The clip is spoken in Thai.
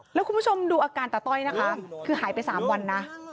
แล้วคุณผู้ชมดูอาการตาต้อยนะคะคือหายไป๓วันนะ